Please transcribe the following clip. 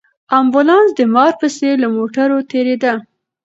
امبولانس د مار په څېر له موټرو تېرېده.